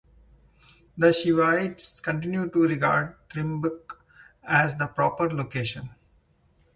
The Shaivites continue to regard Trimbak as the proper location.